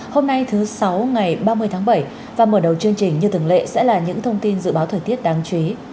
hôm nay thứ sáu ngày ba mươi tháng bảy và mở đầu chương trình như thường lệ sẽ là những thông tin dự báo thời tiết đáng chú ý